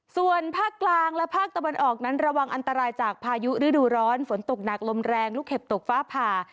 ส่วนภาคกลางและภาคตะวันออกนั้นระวังอันตรายจากพายุฤดูร้อนฝนตกหนักลมแรงลูกเห็บตกฟ้าผ่า